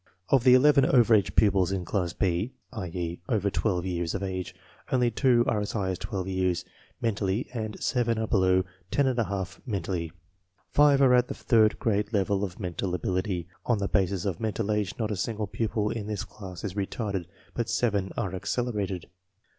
Of the eleven over age pupils in Class B (i.e., over 12 years of age), only two are as high as 12 years, mentally, and seven are below 10$ mentally. Five are at the third grade level of mental ability. On the basis of mental age not. a .single pupil. in this class is retarded, but seven are accelerated.